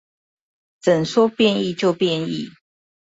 怎說變異就變異